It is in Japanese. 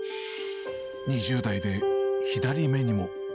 ２０代で左目にも。